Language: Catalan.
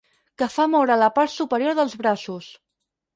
Que fa moure la part superior dels braços.